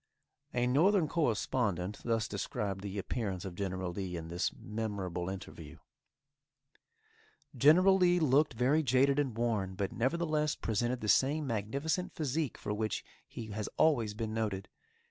A northern correspondent thus described the appearance of General Lee in this memorable interview: "General Lee looked very jaded and worn, but, nevertheless, presented the same magnificent phisique for which he has always been noted.